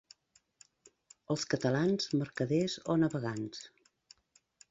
Els catalans, mercaders o navegants.